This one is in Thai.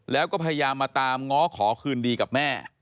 แล้วก็พยายามมาตามง้อขอคืนดีกับแม่